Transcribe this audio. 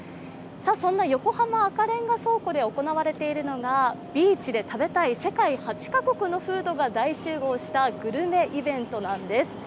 そんな横浜赤レンガ倉庫で行われているのがビーチで食べたい世界８カ国のフードが大集合したグルメイベントなんです。